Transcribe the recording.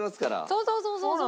そうそうそうそうそう。